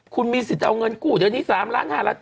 คุณมีสิทธิ์เอาเงินกู้เดี๋ยวนี้๓ล้าน๕ล้าน